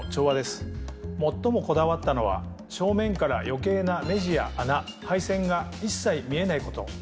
最もこだわったのは正面から余計なネジや穴配線が一切見えないこと。